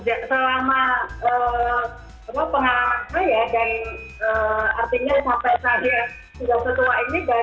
nah tapi oke karena ini untuk peringatan ke tujuh puluh lima tahun olari kemarin selama pengalaman saya dan artinya sampai akhir dua ribu tiga belas disetua ini dari kemarin riset ci atatuppa autobiografi referred to as